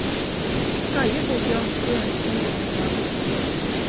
Kā iegūt jaunus klientus internetā?